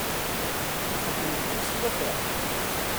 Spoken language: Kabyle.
Nxeddem deg wis tlata?